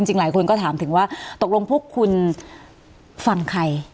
หลายคนก็ถามถึงว่าตกลงพวกคุณฟังใคร